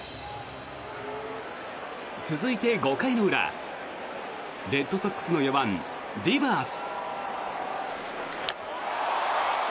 続いて５回の裏レッドソックスの４番ディバース。